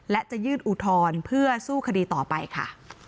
และจะยื่นอุทธรณ์เพื่อสู้คดีต่อไปค่ะ